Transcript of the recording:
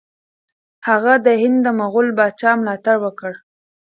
هغه د هند د مغول پاچا ملاتړ وکړ.